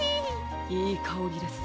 いいかおりです。